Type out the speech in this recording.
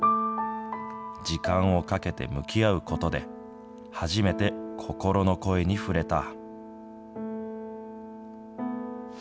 時間をかけて向き合うことで、初めて心の声に触れた。